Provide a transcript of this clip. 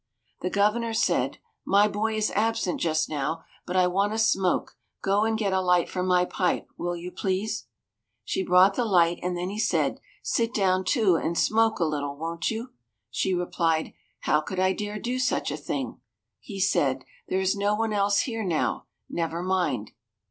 The Governor said, "My boy is absent just now, but I want a smoke; go and get a light for my pipe, will you, please." She brought the light, and then he said, "Sit down too, and smoke a little, won't you?" She replied, "How could I dare do such a thing?" He said, "There is no one else here now; never mind."